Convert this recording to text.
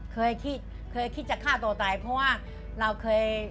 เคยคิดเคยคิดจะฆ่าตัวตายเพราะว่าเราเคย